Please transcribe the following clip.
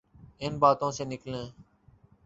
ان باتوں سے نکلیں۔